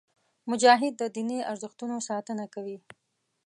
مجاهد د دیني ارزښتونو ساتنه کوي.